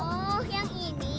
oh yang ini